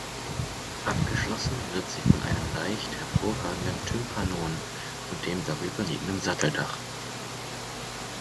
Abgeschlossen wird sie von einem leicht hervorragenden Tympanon und dem darüber liegenden Satteldach.